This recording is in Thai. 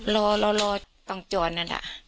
รอรอรอต้องจ้อนอาฏ